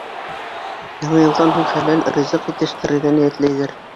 Яны йылдан һуң хәләл ризыҡ етештерергә ниәтләйҙәр.